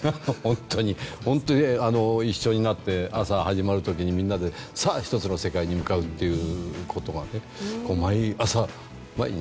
本当に一緒になって朝始まる時にみんなでさあ、１つの世界に向かうっていう言葉を毎朝、毎日。